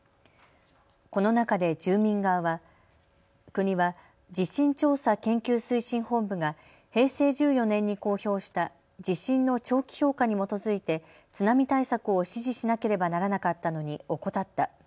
この中で住民側は国は地震調査研究推進本部が平成１４年に公表した地震の長期評価に基づいて津波対策を指示しなければならなかったのに怠った。